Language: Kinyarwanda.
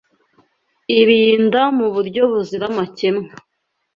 Irinda mu buryo buzira amakemwa